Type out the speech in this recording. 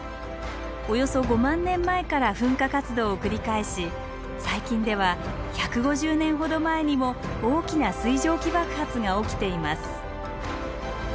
およそ５万年前から噴火活動を繰り返し最近では１５０年ほど前にも大きな水蒸気爆発が起きています。